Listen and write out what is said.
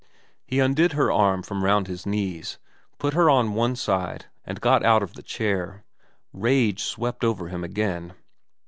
He undid her arm from round his knees, put her on one side, and got out of the chair. Rage swept over him again.